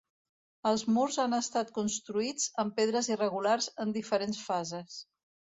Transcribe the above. Els murs han estat construïts amb pedres irregulars en diferents fases.